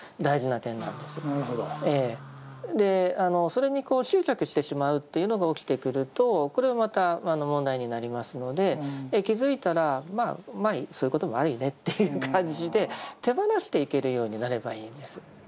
それに執着してしまうというのが起きてくるとこれはまた問題になりますので気づいたらまあそういうこともあるよねっていう感じで手放していけるようになればいいんです。